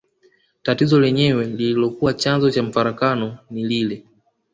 Tatizo lenyewe lililokuwa chanzo cha mafarakano ni lile